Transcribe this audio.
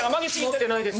持ってないです。